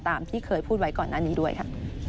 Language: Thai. ที่เคยพูดไว้ก่อนหน้านี้ด้วยค่ะ